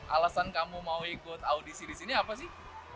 alasan kamu mau ikut audisi di sini apa sih